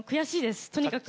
とにかく。